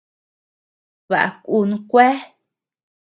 Baʼa kun kuea.